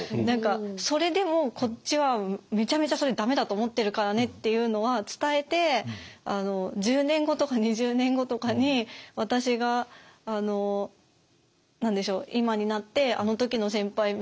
何かそれでもこっちはめちゃめちゃそれダメだと思ってるからねっていうのは伝えて１０年後とか２０年後とかに私が今になってあの時の先輩